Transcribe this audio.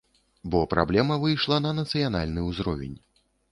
Бо праблема выйшла на нацыянальны ўзровень.